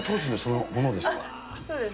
そうです。